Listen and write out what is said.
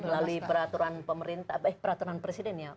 lalu peraturan pemerintah eh peraturan presiden ya